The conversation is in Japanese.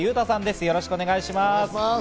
よろしくお願いします。